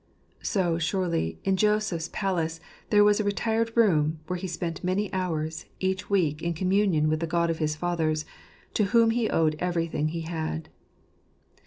So, surely, in Joseph's palace there was a retired room, where he spent many hours each week in communion with the God of his fathers, to whom he owed everything he had.